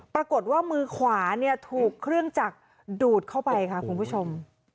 ปรากฏว่ามือขวาเนี่ยถูกเครื่องจักรดูดเข้าไปค่ะคุณผู้ชม